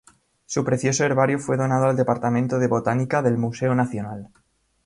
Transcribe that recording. Su precioso herbario fue donado al Departamento de botánica del Museo Nacional.